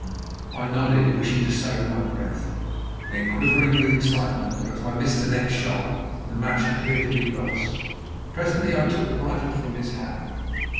I nodded, wishing to save my breath. Then, quivering with excitement, for if I missed the next shot the match appeared to be lost, presently I took the rifle from his hand.